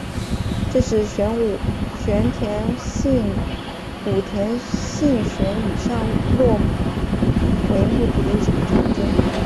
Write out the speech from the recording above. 这是武田信玄以上洛为目的的一场战争。